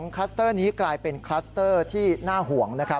คลัสเตอร์นี้กลายเป็นคลัสเตอร์ที่น่าห่วงนะครับ